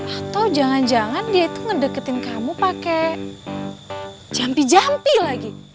atau jangan jangan dia itu ngedeketin kamu pakai jampi jampi lagi